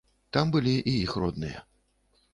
Там былі і іх родныя.